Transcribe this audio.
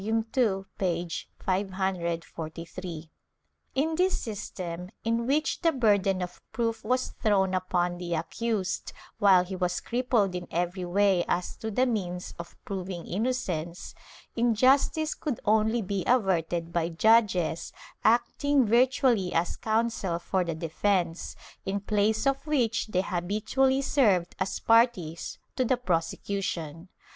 II, p. 543). In this system, in which the burden of proof was thrown upon the accused, while he was crippled in every way as to the means of proving innocence, injustice could only be averted by judges acting virtually as counsel for the defence, in place of which they habitually served as parties to the prosecution.